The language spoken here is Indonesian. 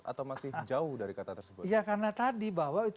atau masih jauh dari kata tersebut